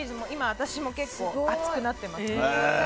私も結構熱くなっています。